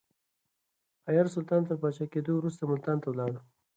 حيار سلطان تر پاچا کېدو وروسته ملتان ته ولاړ.